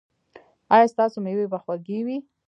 ایا ستاسو میوې به خوږې وي؟